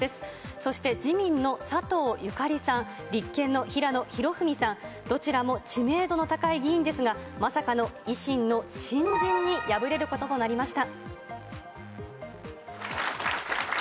そして、自民の佐藤ゆかりさん、立憲の平野博文さん、どちらも知名度の高い議員ですが、まさかの維新の新人に敗れることとなりました。